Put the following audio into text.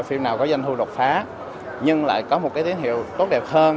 phim nào có doanh thu độc phá nhưng lại có một cái tín hiệu tốt đẹp hơn